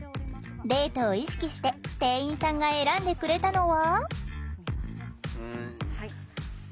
デートを意識して店員さんが選んでくれたのは。